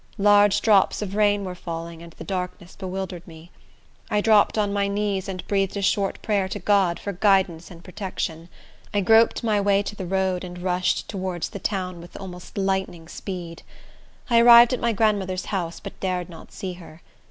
Large drops of rain were falling, and the darkness bewildered me. I dropped on my knees, and breathed a short prayer to God for guidance and protection. I groped my way to the road, and rushed towards the town with almost lightning speed. I arrived at my grandmother's house, but dared not see her.